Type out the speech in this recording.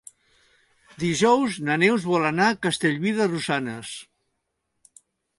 Dijous na Neus vol anar a Castellví de Rosanes.